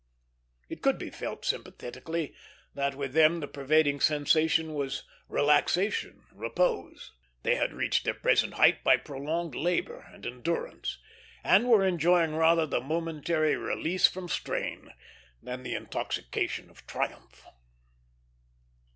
It could be felt sympathetically that with them the pervading sensation was relaxation repose. They had reached their present height by prolonged labor and endurance, and were enjoying rather the momentary release from strain than the intoxication of triumph.